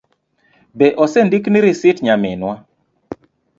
Be osendikni risit nyaminwa?